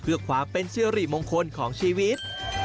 เพื่อความเป็นสิริมงคลของชีวิต